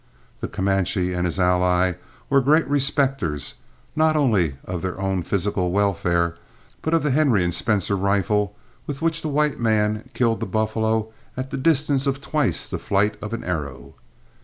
The Comanche and his ally were great respecters, not only of their own physical welfare, but of the Henri and Spencer rifle with which the white man killed the buffalo at the distance of twice the flight of an arrow.